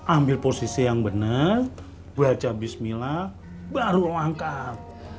ambil posisi yang benar baca bismillah baru langkat